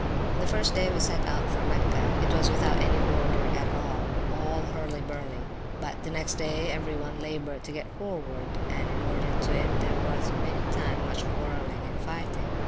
The first day we set out from Mecca, it was without any order at all, all hurly burly; but the next day every one laboured to get forward; and in order to it, there was many time much quarrelling and fighting.